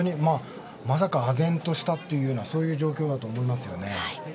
まさか、あぜんとしたというそういう状況だと思いますよね。